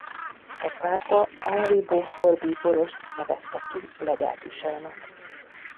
A pápa Henry Beaufort bíborost nevezte ki legátusának.